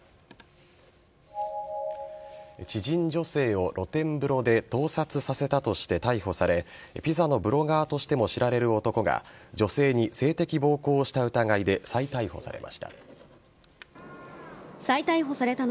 知人女性を露天風呂で盗撮させたとして逮捕されピザのブロガーとしても知られる男が女性に性的暴行した疑いで再逮捕されました。